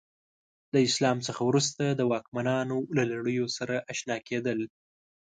له اسلام څخه وروسته د واکمنانو له لړیو سره اشنا کېدل.